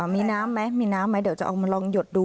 มีน้ำไหมมีน้ำไหมเดี๋ยวจะเอามาลองหยดดู